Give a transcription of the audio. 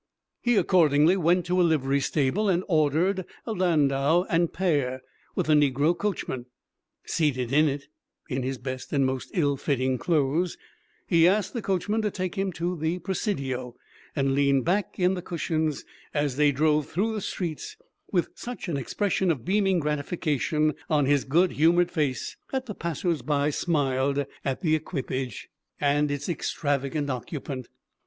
He accordingly went to a livery stable and ordered a landau and pair, with a negro coachman. Seated in it, in his best and most ill fitting clothes, he asked the coachman to take him to the Presidio, and leaned back in the cushions as they drove through the streets with such an expression of beaming gratification on his good humored face that the passers by smiled at the equipage and its extravagant occupant.